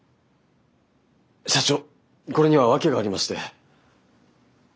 社長これには訳がありまして。